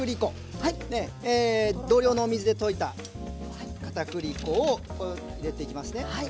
同量のお水で溶いたかたくり粉を入れていきますね。